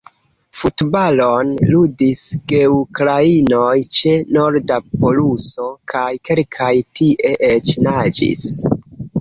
Futbalon ludis geukrainoj ĉe norda poluso – kaj kelkaj tie eĉ naĝis.